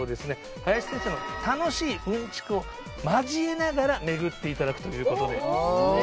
林先生の楽しいうんちくを交えながら巡っていただくということで。